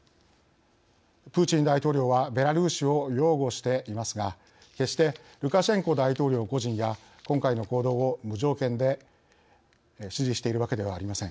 プーチン大統領はベラルーシを擁護していますが決してルカシェンコ大統領個人や今回の行動を無条件で支持しているわけではありません。